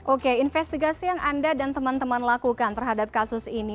oke investigasi yang anda dan teman teman lakukan terhadap kasus ini